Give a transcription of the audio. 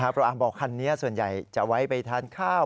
เพราะอาร์มบอกคันนี้ส่วนใหญ่จะไว้ไปทานข้าว